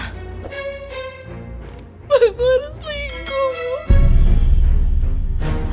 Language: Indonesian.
bang kohar selingkuh bu